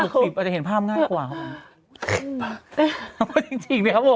คุณพ่อดำ๖๐ปีอาจจะเห็นภาพง่ายกว่าคุณพ่อดำ๖๐ปีอาจจะเห็นภาพง่ายกว่า